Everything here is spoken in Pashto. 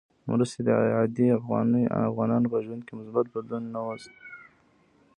مرستې د عادي افغانانو په ژوند کې مثبت بدلون نه وست.